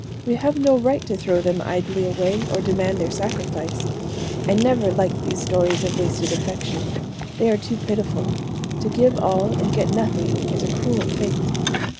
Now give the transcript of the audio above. We have no right to throw them idly away, or demand their sacrifice. I never liked these stories of wasted affection. They are too pitiful. To give all and get nothing is a cruel fate."